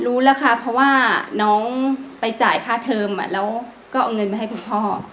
รู้แล้วค่ะเพราะว่าน้องไปจ่ายค่าเทอมแล้วก็เอาเงินไปให้คุณพ่อ